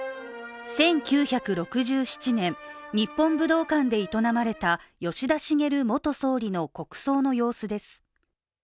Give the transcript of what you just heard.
１９６７年、日本武道館で営まれた吉田茂元総理の国葬の様子です。